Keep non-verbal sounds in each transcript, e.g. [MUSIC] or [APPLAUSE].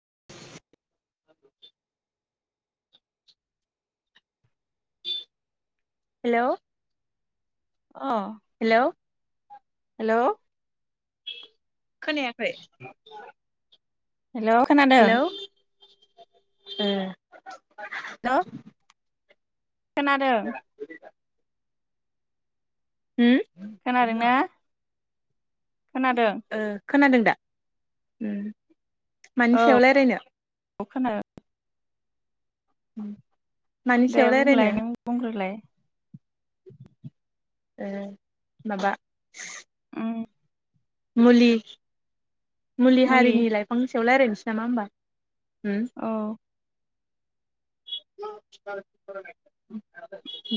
[UNINTELLIGIBLE] Hello. अ। Hello. Hello खोनायाखै। Hello खोनादों। उम। हेलौ खोनादों खोनादों ना खोनादों ओ खोनादों दा? मानि सायाव औ रायलायनो? खोनादों [UNINTELLIGIBLE] मानि दे सायाव रायलायनो बुंलाय नों बुंग्रोलाय ओ माबा उम मुलि मुलि हारिनि लाइफां लायरायनोसै नामा होमबा औ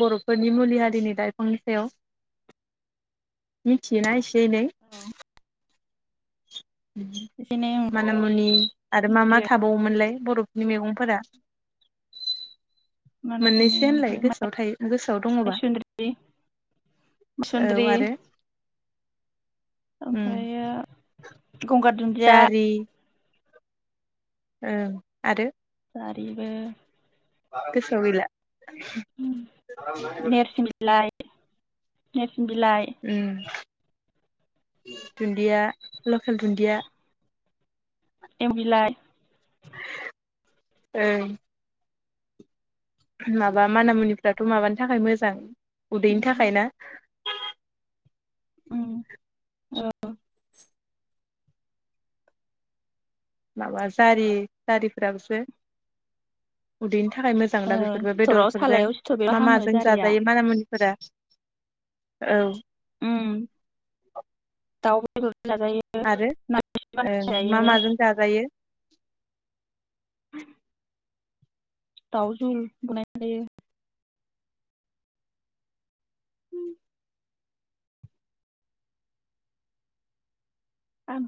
बर'फोरनि मुलि हारिनि लायफांनि सायाव मिथियोना एसे एनै? [UNINTELLIGIBLE] उम एसे एनै ओं माना मुनि आरो मा मा मिथियो थाबावोमोनलाय? बर'फोरनि मैगंफोरा माना मोननैसो मुनि होनलाय ओमफ्राय गोसोआव थायो गोसोआव दङ'बा माइसुन्द्रि औ माइसुन्द्रि आरो उम ओमफ्रायो गंगार दुन्दिया जारि ओं आरो आारिबो गोसोआव गैला [UNINTELLIGIBLE] नेरस बिलाइ उम दुन्दिया लकेल दुन्दिया एम बिलाइ ओं माबा माना मुनिफ्राथ' माबानि थाखाय मोजां उदैनि थाखाय ना उम औ माबा जारि जारिफोराबोसो उदै थाखाय मोजां ओ दा बेफोरबो सिथराव सालायाव बेदरफोरजों सिथर बेबो मा हामो माजों जारिया जाजायो माना मुनिफोरा? औ। उम दाउ औ आरो ओ मा जायो माजों जाजायो? [UNINTELLIGIBLE] दावजों बनायनाय जायो। जायो ओं